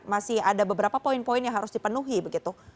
masih ada beberapa poin poin yang harus dipenuhi begitu